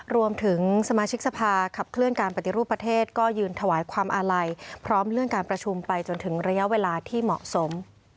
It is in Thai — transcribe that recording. รวมถึงสมาชิกสภาขับเคลื่อนการปฏิรูปประเทศก็ยืนถวายความอาลัยพร้อมเลื่อนการประชุมไปจนถึงระยะเวลาที่เหมาะสม